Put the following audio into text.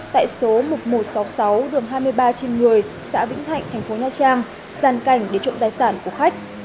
tại số một nghìn một trăm sáu mươi sáu hai mươi ba chín xã vĩnh thạnh tp nha trang gian cảnh để trộm tài sản của khách